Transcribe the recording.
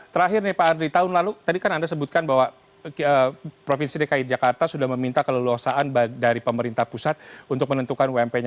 terakhir nih pak andri tahun lalu tadi kan anda sebutkan bahwa provinsi dki jakarta sudah meminta keleluasaan dari pemerintah pusat untuk menentukan ump nya